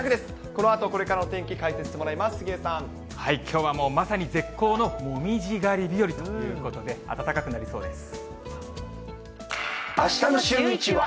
このあとこれからのお天気、きょうはもうまさに絶好のもみじ狩り日和ということで、暖かくなりそうです。